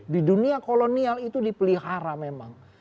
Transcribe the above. di dunia kolonial itu dipelihara memang